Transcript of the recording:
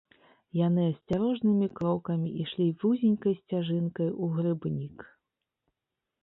Яны асцярожнымі крокамі ішлі вузенькай сцяжынкай у грыбнік.